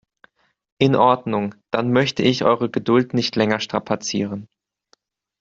In Ordnung, dann möchte ich eure Geduld nicht länger strapazieren.